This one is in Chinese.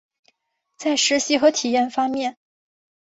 在实习和体验方面